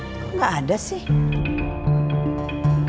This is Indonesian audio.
kok gak ada sih